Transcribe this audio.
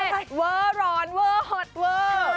เผ็ดเวอร์ร้อนเวอร์หดเวอร์